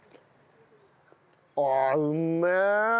ああうんめえ！